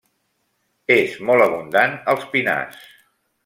És molt abundant als pinars.